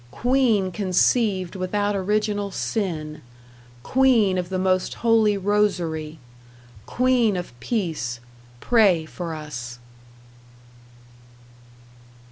Queen conceived without original sin. Queen of the most holy Rosary. Queen of Peace, Pray for us.